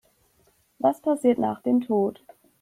Was passiert nach dem Tod?